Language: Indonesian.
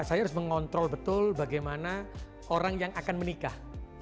saya harus mengontrol betul bagaimana orang yang akan menikah